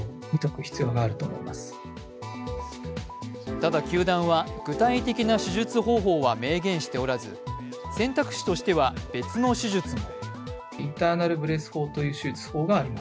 ただ球団は具体的な手術方法は明言しておらず選択肢としては別の手術も。